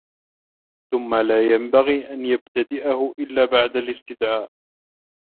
ثُمَّ لَا يَنْبَغِي أَنْ يَبْتَدِئَهُ إلَّا بَعْدَ الِاسْتِدْعَاءِ